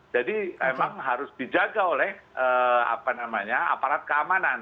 memang harus dijaga oleh aparat keamanan